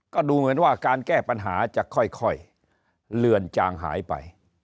ก็ดูเหมือนว่าการแก้ปัญหาจะค่อยเลื่อนจางหายไป